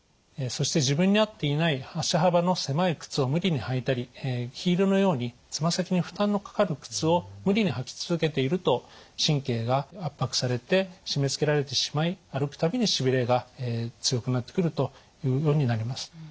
そして自分に合っていない足幅の狭い靴を無理に履いたりヒールのようにつま先に負担のかかる靴を無理に履き続けていると神経が圧迫されて締めつけられてしまい歩く度にしびれが強くなってくるというようになります。